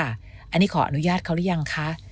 อันนี้ขออนุญาตเขาหรือยังคะ